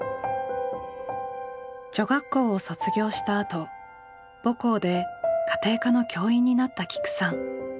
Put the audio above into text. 女学校を卒業したあと母校で家庭科の教員になったきくさん。